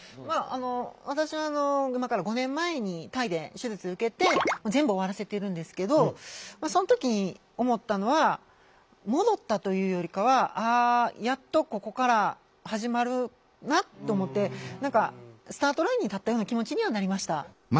私は今から５年前にタイで手術受けて全部終わらせてるんですけどその時に思ったのは戻ったというよりかは「あやっとここから始まるな」と思って何かスタートラインに立ったような気持ちにはなりました。